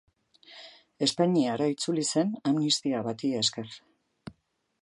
Espainiara itzuli zen amnistia bati esker.